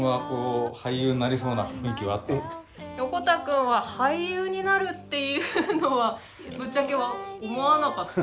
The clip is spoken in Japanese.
横田くんは俳優になるっていうのはぶっちゃけ思わなかった。